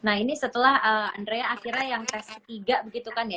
nah ini setelah andrea akhirnya yang tes ketiga begitu kan ya